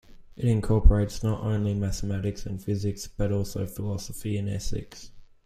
It incorporates not only mathematics and physics, but also philosophy and ethics.